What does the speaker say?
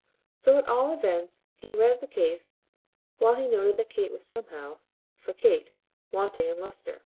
So at all events he read the case while he noted that Kate was somehow for Kate wanting in lustre.